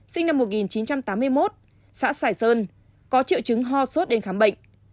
sinh năm một nghìn chín trăm tám mươi một xã sải sơn có triệu chứng ho sốt đến khám bệnh